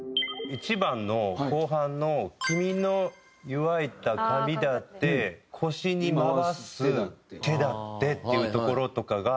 １番の後半の「キミのゆわいた髪だって腰にまわす手だって」っていうところとかが。